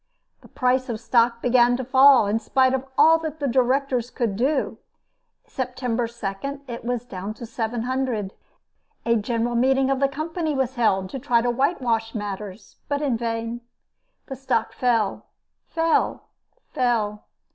The price of stock began to fall in spite of all that the directors could do. September 2, it was down to 700. A general meeting of the company was held to try to whitewash matters, but in vain. The stock fell, fell, fell.